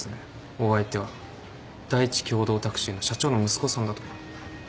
お相手は第一共同タクシーの社長の息子さんだとか。